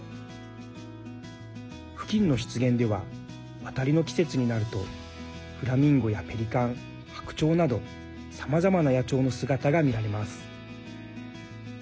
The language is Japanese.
付近の湿原では渡りの季節になるとフラミンゴやペリカン、白鳥などさまざまな野鳥の姿が見られます。